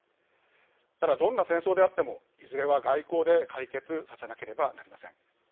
ただ、どんな戦争であってもいずれは外交で解決させなければなりません。